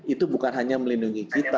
itu bukan hanya melindungi kita